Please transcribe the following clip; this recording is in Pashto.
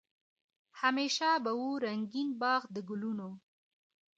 همېشه به وو رنګین باغ د ګلونو